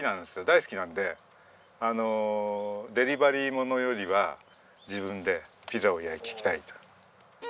大好きなのでデリバリーものよりは自分でピザを焼きたいと。